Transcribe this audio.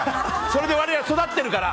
それで我々は育ってるから！